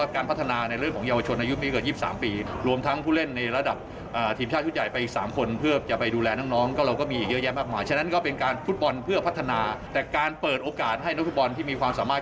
การเปิดโอกาสให้นักธุบอลที่มีความสามารถ